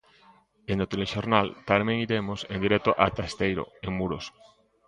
E no telexornal tamén iremos en directo ata Esteiro, en Muros.